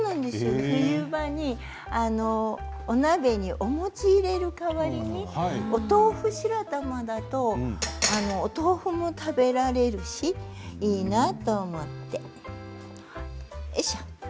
冬場にお鍋に、お餅入れる代わりにお豆腐白玉だとお豆腐も食べられるしいいなと思って。